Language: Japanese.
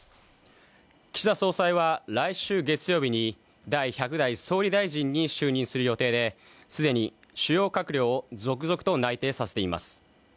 岸田総裁は来週月曜日に第１００代総理大臣に就任する予定で既に主要閣僚を続々と内定させています。